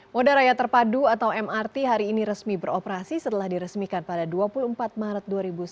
moda raya terpadu atau mrt hari ini resmi beroperasi setelah diresmikan pada dua puluh empat maret dua ribu sembilan belas